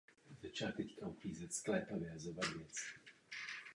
Chtěla se šťastně vdát a mít děti.